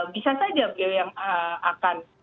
bisa saja beliau yang akan